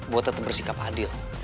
buat tetep bersikap adil